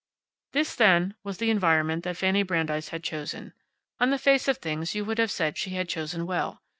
This, then, was the environment that Fanny Brandeis had chosen. On the face of things you would have said she had chosen well.